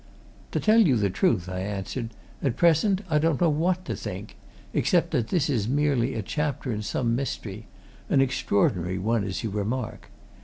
"To tell you the truth," I answered, "at present I don't know what to think except that this is merely a chapter in some mystery an extraordinary one, as you remark.